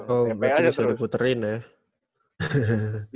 oh berarti sudah diputerin ya